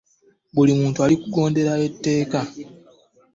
Buli muntu alina okugondera etteeka.